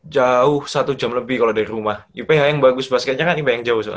jauh satu jam lebih kalau dari rumah iph yang bagus bahas kacanya kan iph yang jauh soalnya